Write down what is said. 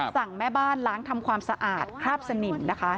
แม่บ้านล้างทำความสะอาดคราบสนิมนะคะ